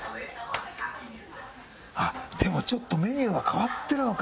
あっでもちょっとメニューが変わってるのか。